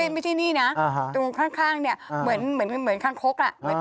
ไม่ใช่นี่นะตรงข้างเนี่ยเหมือนคางคก